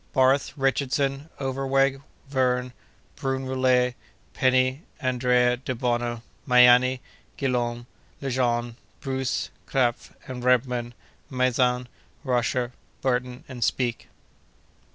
—Barth, Richardson, Overweg, Werne, Brun Rollet, Penney, Andrea, Debono, Miani, Guillaume Lejean, Bruce, Krapf and Rebmann, Maizan, Roscher, Burton and Speke.